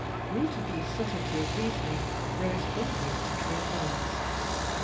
Rouletabille's subtlety of reasoning rose almost to clair voyance.